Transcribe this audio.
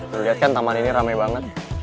udah lihat kan taman ini ramai banget